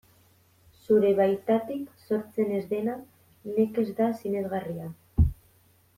Zure baitatik sortzen ez dena nekez da sinesgarria.